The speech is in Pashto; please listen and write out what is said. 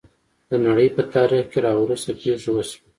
د نړۍ په تاریخ کې راوروسته پېښې وشوې.